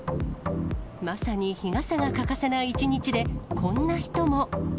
まさに日傘が欠かせない一日で、こんな人も。